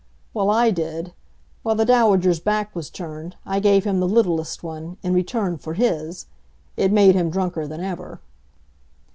Well, I did. While the Dowager's back was turned, I gave him the littlest one, in return for his. It made him drunker than ever.